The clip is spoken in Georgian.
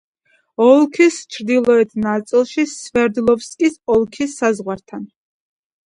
ოლქის ჩრდილოეთ ნაწილში, სვერდლოვსკის ოლქის საზღვართან.